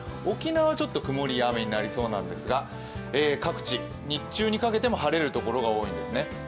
沖縄はちょっと曇りや雨になりそうなんですが各地、日中にかけても晴れる所が多いんですね。